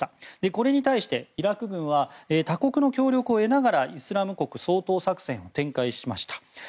これに対して、イラク軍は他国の協力を得ながらイスラム国掃討作戦を展開しました。